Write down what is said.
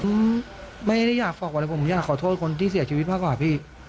ผมไม่ได้อยากฝากอะไรผมอยากขอโทษคนที่เสียชีวิตมากกว่าพี่